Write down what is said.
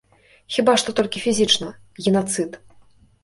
Хіба што толькі фізічна, генацыд.